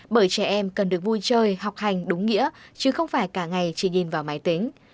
bởi trẻ em cần được vui chơi học hành đúng nghĩa chứ không phải cả ngày chỉ nhìn vào máy tính